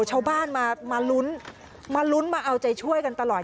ชาวบ้านมาลุ้นมาลุ้นมาเอาใจช่วยกันตลอด